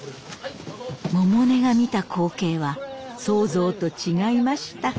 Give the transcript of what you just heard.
百音が見た光景は想像と違いました。